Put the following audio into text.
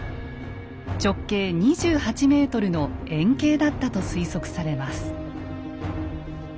直径２８ｍの円形だったと推測されます。